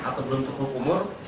atau belum cukup umur